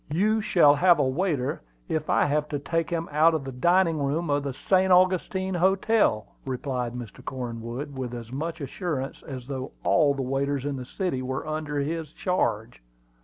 "You shall have a waiter if I have to take him out of the dining room of the St. Augustine Hotel," replied Mr. Cornwood, with as much assurance as though all the waiters in the city were under his charge.